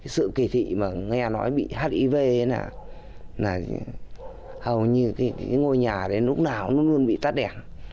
sự kỳ thị mà nghe nói bị hiv là hầu như cái ngôi nhà đấy lúc nào nó luôn bị tắt đèn